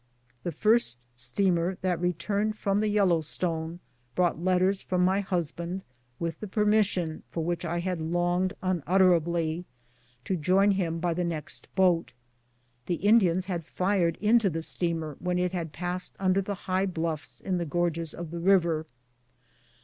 The first steamer that returned from the Yellowstone brought letters from my husband, with the permission, for which I had longed unutterably, to join him by the next boat. The Indians had fired into the steamer when it had passed under the high bluffs in the gorges of the river.